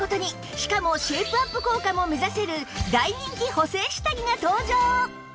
しかもシェイプアップ効果も目指せる大人気補整下着が登場！